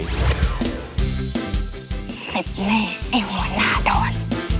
เสร็จแม่ไอ้หัวหน้าดอน